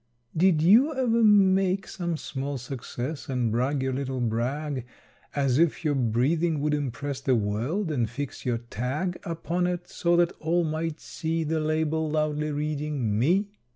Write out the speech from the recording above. Did you ever make some small success And brag your little brag, As if your breathing would impress The world and fix your tag Upon it, so that all might see The label loudly reading, "ME!"